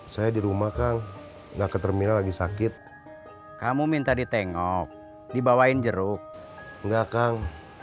saya di rumah kang gak ke terminal lagi sakit kamu minta ditengok dibawain jeruk enggak kang